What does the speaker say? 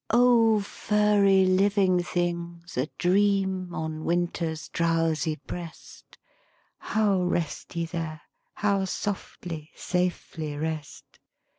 " O furry living things, adream On Winter's drowsy breast, (How rest ye there, how softly, safely rest!)